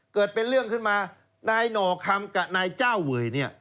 เกิดเป็นเรื่องขึ้นมานายหน่อคำกับนายเจ้าเวยเนี่ย